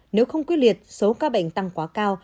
nếu không quyết liệt số ca bệnh tăng quá cao